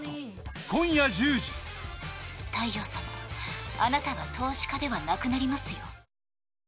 大陽様、あなたは投資家ではなくなりますよ。